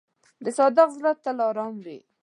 د صادق زړه تل آرام وي.